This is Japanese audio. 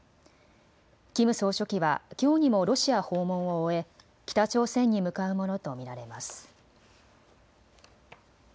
キム総書記はきょうにもロシア訪問を終え北朝鮮に向かうものと見られます。